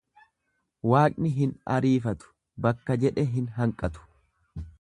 Waaqni hin arifatu, bakka jedhe hin hanqatu.